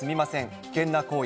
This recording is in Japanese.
危険な行為。